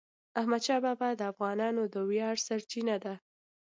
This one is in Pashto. احمدشاه بابا د افغانانو د ویاړ سرچینه ده.